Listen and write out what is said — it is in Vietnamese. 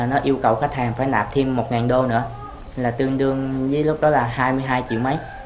nó yêu cầu khách hàng phải nạp thêm một đô nữa là tương đương với lúc đó là hai mươi hai triệu mấy